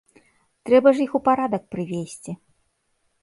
Трэба ж іх у парадак прывесці.